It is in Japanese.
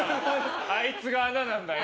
あいつが穴なんだよ。